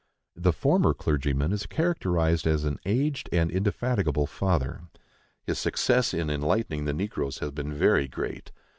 The former clergyman is characterized as an "aged and indefatigable father." "His success in enlightening the negroes has been very great.